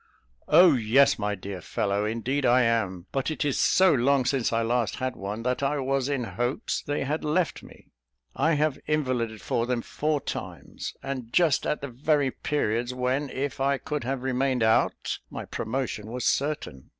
"Oh, yes, my dear fellow, indeed I am; but it is so long since I last had one, that I was in hopes they had left me. I have invalided for them four times, and just at the very periods when, if I could have remained out, my promotion was certain."